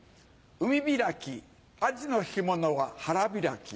海開きアジの干物は腹開き。